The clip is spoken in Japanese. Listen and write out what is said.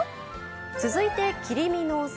続いて切り身のお魚。